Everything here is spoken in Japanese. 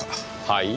はい？